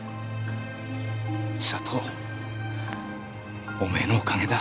千里おめえのおかげだ。